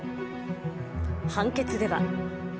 判決では。